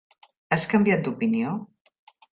Has canviat d'opinió?